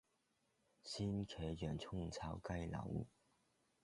鮮茄洋蔥炒雞柳